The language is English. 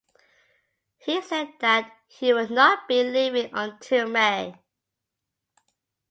He said that he would not be leaving until May.